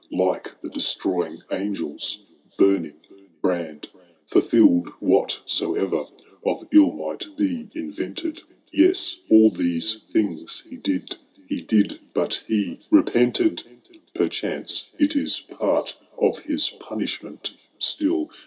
Like the destroying angePB boming biand ; Fulfilled whatever of ill might be invented. Yea— all these things he did^ he did, but he bkpintbd I Perchance it is part of his punishment still.